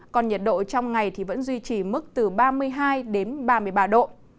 còn nhiệt độ trong ngày vẫn duy trì mức từ ba mươi hai ba mươi ba độ